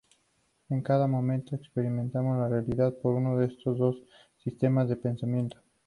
En cada momento experimentamos la realidad por uno de estos dos sistemas de pensamiento.